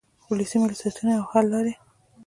ولسي مسؤلیتونه او حل لارې.